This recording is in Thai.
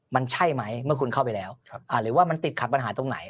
มันใช่ไหมเมื่อคุณเข้าไปแล้วหรือว่ามันติดขัดปัญหาตรงไหน